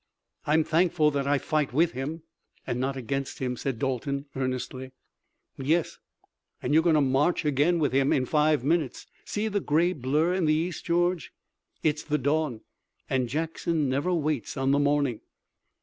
"I'm thankful that I fight with him and not against him," said Dalton earnestly. "Yes, and you're going to march again with him in five minutes. See the gray blur in the east, George. It's the dawn and Jackson never waits on the morning."